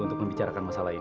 untuk membicarakan masalah ini